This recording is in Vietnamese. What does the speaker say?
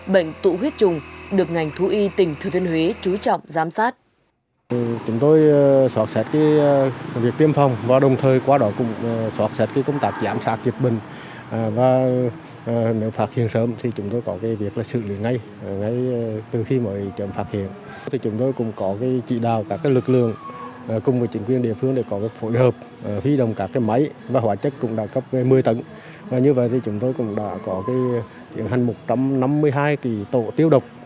bệnh tụ huyết trùng được ngành thú y tỉnh thừa thiên huế trú trọng giám sát